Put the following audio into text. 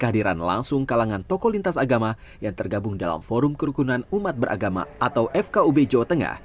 dan langsung kalangan tokoh lintas agama yang tergabung dalam forum kerukunan umat beragama atau fkub jawa tengah